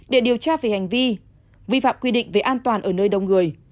để điều tra về hành vi vi phạm quy định về an toàn ở nơi đông người